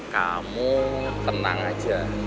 kamu tenang aja